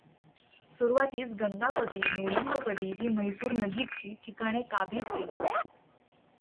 सुरुवातीस गंगापदी, नोलंबपदी ही म्हैसूरनजीकची ठिकाणे काबिज केली.